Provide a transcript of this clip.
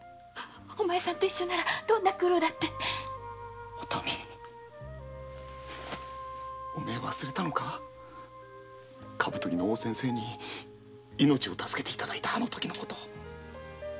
お前さんと一緒ならどんな苦労だって忘れたのか大先生に命を助けて頂いたあの時のこと。